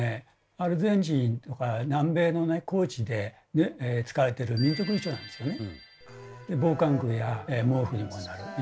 アルゼンチンとか南米の高地で使われてる民族衣装なんですよね。